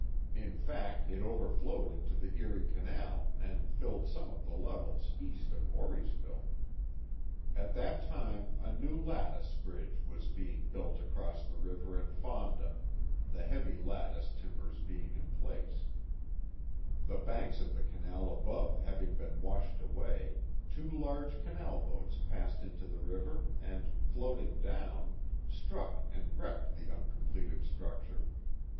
In fact, it overflowed into the Erie Canal and filled some of the levels east of Auriesville. At that time a new lattice bridge was being built across the river at Fonda, the heavy lattice timbers being in place. The .#rr» Canajoharie — The Hills of Florida 393 banks of the canal above having been washed away, two large canal boats passed into the river and, floating down, struck and wrecked the uncompleted structure.